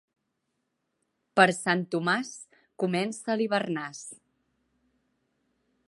Per Sant Tomàs comença l'hivernàs.